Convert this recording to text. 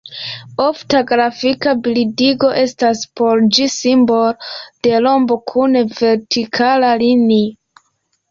Ofta grafika bildigo estas por ĝi simbolo de rombo kun vertikala linio.